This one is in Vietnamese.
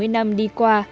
bảy mươi năm đi qua